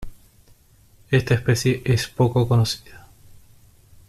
Esta especie es poco conocida.